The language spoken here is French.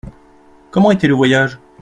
Comment était le voyage ?